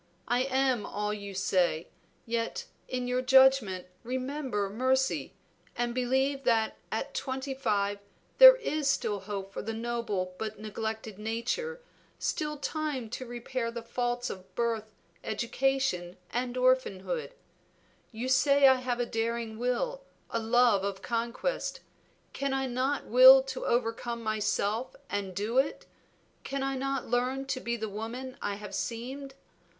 I am all you say, yet in your judgment remember mercy, and believe that at twenty five there is still hope for the noble but neglected nature, still time to repair the faults of birth, education, and orphanhood. You say, I have a daring will, a love of conquest. Can I not will to overcome myself and do it? Can I not learn to be the woman I have seemed?